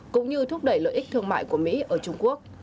cũng như thúc đẩy lợi ích thương mại của mỹ ở trung quốc